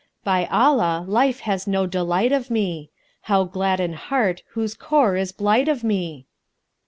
By Allah, life has no delight of me! * How gladden heart whose core is blight of me?"